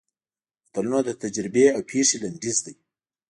متلونه د تجربې او پېښې لنډیز دي